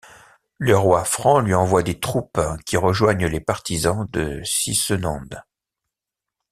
Le roi franc lui envoie des troupes qui rejoignent les partisans de Sisenand.